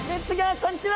こんにちは。